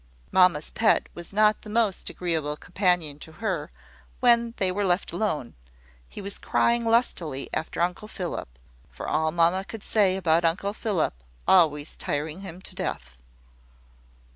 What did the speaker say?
Mamma's pet was not the most agreeable companion to her when they were left alone: he was crying lustily after uncle Philip, for all mamma could say about uncle Philip always tiring him to death.